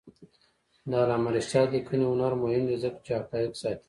د علامه رشاد لیکنی هنر مهم دی ځکه چې حقایق ساتي.